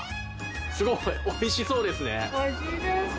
すごい美味しそうですね。